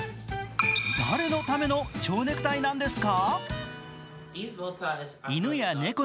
誰のための蝶ネクタイなんですか。